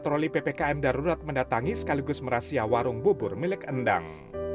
tidak lama berselang petugas patroli ppkm darurat mendatangi sekaligus merahsiah warung bubur milik endang